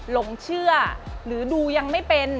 หลงเชื่อหรือดูยังไม่เป็น